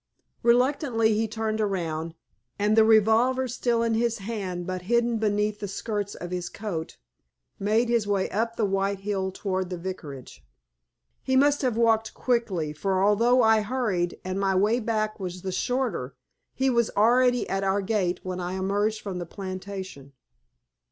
Reluctantly he turned around, and with the revolver still in his hand but hidden beneath the skirts of his coat, made his way up the white hill towards the Vicarage. He must have walked quickly, for although I hurried, and my way back was the shorter, he was already at our gate when I emerged from the plantation.